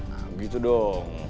nah gitu dong